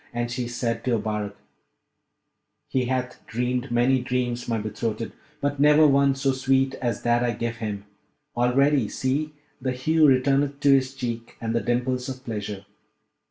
And she said to Abarak, 'He hath dreamed many dreams, my betrothed, but never one so sweet as that I give him. Already, see, the hue returneth to his cheek and the dimples of pleasure.'